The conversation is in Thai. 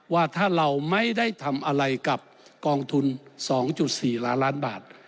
ว่าถ้าเราไม่ได้ทำอะไรกับกองทุน๒๔ล้านล้านบาท